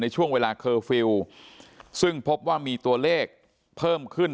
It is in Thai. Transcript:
ช่วงเวลาเคอร์ฟิลล์ซึ่งพบว่ามีตัวเลขเพิ่มขึ้น